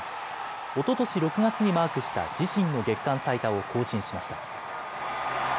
おととし６月にマークした自身の月間最多を更新しました。